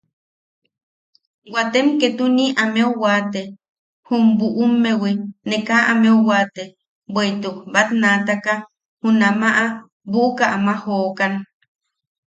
Waatem ketuni ameu waate jum buʼummeu ne kaa ameu waate, bweʼituk batnaataka junama buʼuka ama jookan.